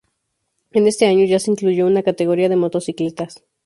En este año ya se incluyó una categoría de motocicletas.